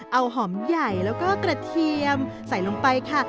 เอาหอมใหญ่แล้วก็กระเทียมใส่ลงไปค่ะ